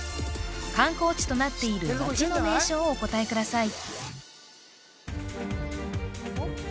観光地となっている町の名称をお答えください